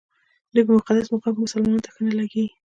دوی په مقدس مقام کې مسلمانانو ته ښه نه لګېږي.